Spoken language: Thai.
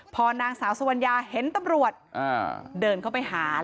พอนางสาวสุวรรณญาเห็นตำรวจเดินเข้าไปหา